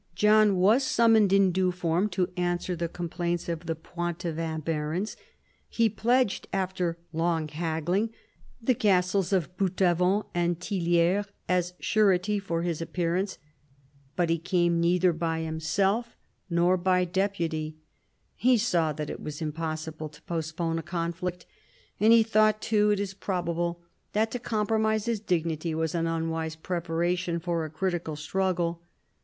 John was summoned in due form to answer the complaints of the Poitevin barons. He pledged, after long haggling, the castles of Boutavant and Tillieres as surety for his appearance. But he came neither by himself nor by in THE FALL OF THE ANGEVINS 67 deputy. He saw that it was impossible to postpone a conflict; and he thought too, it is probable, that to compromise his dignity was an unwise preparation for a critical struggle.